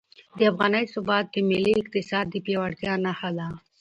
د افغانۍ ثبات د ملي اقتصاد د پیاوړتیا نښه ده.